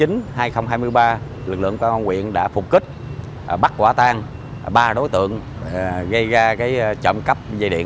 năm một nghìn chín trăm năm mươi ba lực lượng cơ quan huyện đã phục kích bắt quả tang ba đối tượng gây ra trộm cắp dây điện